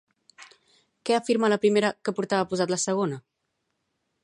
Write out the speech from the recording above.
Què afirma la primera que portava posat la segona?